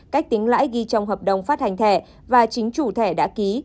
cách tính lãi ghi trong hợp đồng phát hành thẻ và chính chủ thẻ đã ký